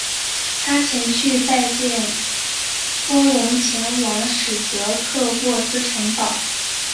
他前去拜见波隆前往史铎克渥斯城堡。